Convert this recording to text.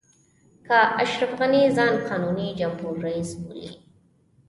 که اشرف غني ځان قانوني جمهور رئیس بولي.